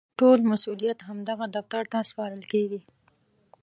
ټول مسوولیت همدغه دفتر ته سپارل کېږي.